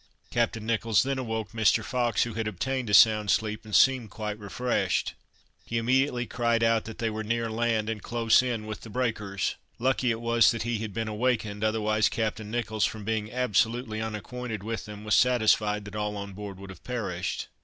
Captain Nicholls then awoke Mr. Fox, who had obtained a sound sleep, and seemed quite refreshed. He immediately cried out that they were near land and close in with the breakers. Lucky it was that he had been awakened, otherwise, Captain Nicholls, from being absolutely unacquainted with them, was satisfied that all on board would have perished.